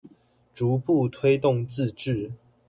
逐步推動自治